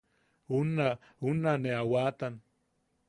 Unna unna ne a waatan...